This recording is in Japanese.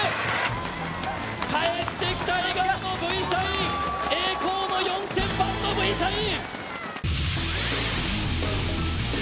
帰ってきた笑顔のＶサイン、栄光の４０００番のＶサイン。